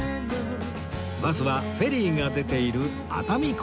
バスはフェリーが出ている熱海港へ